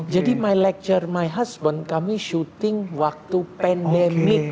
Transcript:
jadi my lecturer my husband kami syuting waktu pandemic